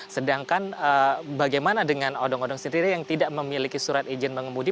sedangkan bagaimana dengan odong odong sendiri yang tidak memiliki surat izin mengemudi